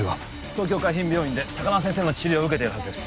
東京海浜病院で高輪先生の治療を受けているはずです